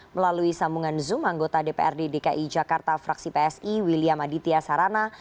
melalui sambungan zoom anggota dprd dki jakarta fraksi psi william aditya sarana